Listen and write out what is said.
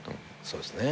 そうですね。